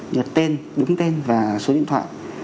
được tên đúng tên và số điện thoại